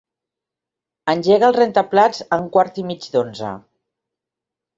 Engega el rentaplats a un quart i mig d'onze.